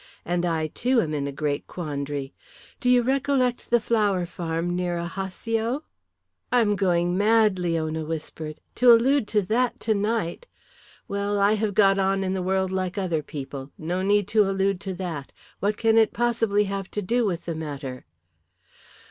And I, too, am in a great quandary. Do you recollect the flower farm near Ajaccio?" "I am going mad," Leona whispered. "To allude to that tonight! Well, I have got on in the world like other people. No need to allude to that. What can it possibly have to do with the matter?"